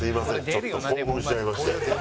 ちょっと興奮しちゃいまして。